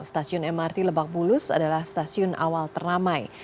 stasiun mrt lebak bulus adalah stasiun awal teramai